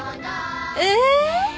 え？